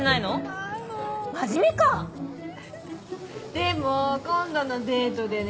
でも今度のデートでね